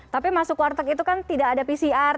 tapi masuk warteg itu kan tidak ada pcr